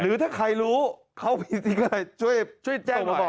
หรือถ้าใครรู้เขามีสติ๊กเกอร์อะไรช่วยแจ้งมาบอกหน่อย